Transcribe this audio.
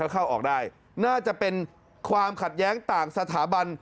เข้าออกได้น่าจะเป็นความขัดแย้งต่างสถาบัน